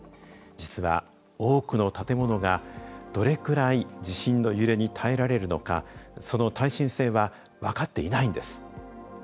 実は多くの建物がどれくらい地震の揺れに耐えられるのかその耐震性は分かっていないんです。